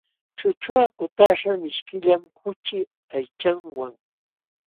Chuchuqa kutaśhqa mishkillam kuchi aychanwa.